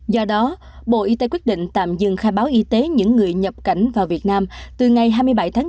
do đó bộ y tế quyết định tạm dừng khai báo y tế những người nhập cảnh vào việt nam từ ngày hai mươi bảy tháng bốn